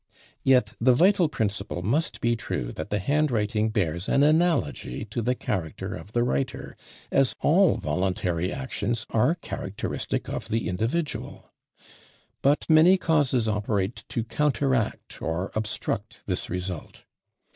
Yet the vital principle must be true that the handwriting bears an analogy to the character of the writer, as all voluntary actions are characteristic of the individual. But many causes operate to counteract or obstruct this result.